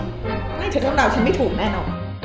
ไม่เฉพาะเราฉันไม่ถูกแน่นอน